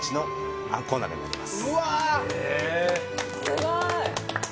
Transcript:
すごい。